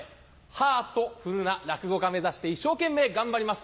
ハートフルな落語家目指して一生懸命頑張ります。